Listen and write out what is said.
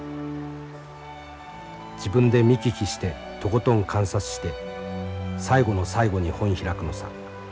自分で見聞きしてとことん観察して最後の最後に本開くのさ。